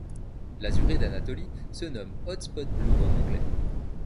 L’Azuré d'Anatolie se nomme Odd-spot Blue en anglais.